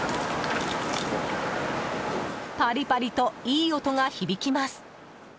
パリパリといい音が響きます。